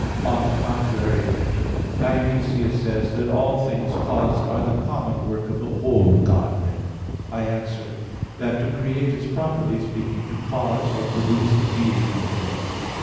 On the contrary, Dionysius says (Div. Nom. ii) that all things caused are the common work of the whole Godhead. I answer that, To create is, properly speaking, to cause or produce the being of things.